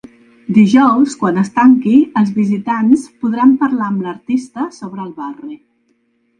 Dijous, quan es tanqui, els visitants podran parlar amb l’artista sobre el barri.